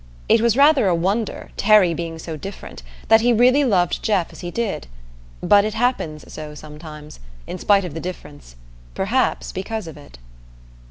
It was rather a wonder, Terry being so different, that he really loved Jeff as he did; but it happens so sometimes, in spite of the difference perhaps because of it.